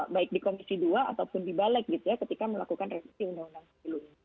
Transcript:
baik di komisi dua ataupun di balik ketika melakukan revisi undang undang pemilu